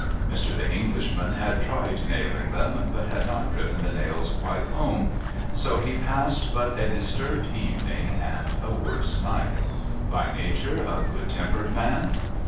Mr. The Englishman had tried nailing them, but had not driven the nails quite home. So he passed but a disturbed evening and a worse night. By nature a good tempered man?